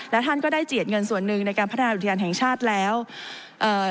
และท่านก็ได้เจียดเงินส่วนหนึ่งในการพัฒนาอุทยานแห่งชาติแล้วเอ่อ